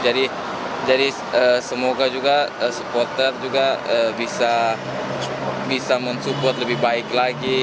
jadi semoga juga supporter juga bisa men support lebih baik lagi